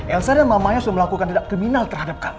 elsa dan mamanya sudah melakukan tindak kriminal terhadap kamu